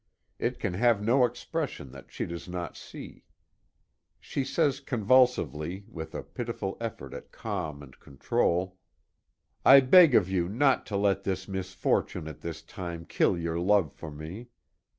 It can have no expression that she does not see. She says convulsively, with a pitiful effort at calm and control: "I beg of you not to let this misfortune at this time kill your love for me.